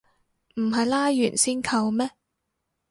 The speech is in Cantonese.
唔係拉完先扣咩